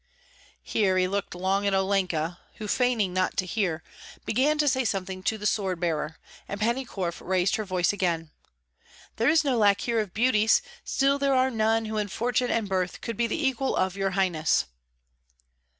Here he looked long at Olenka, who, feigning not to hear, began to say something to the sword bearer; and Pani Korf raised her voice again, "There is no lack here of beauties; still there are none who in fortune and birth could be the equal of your highness."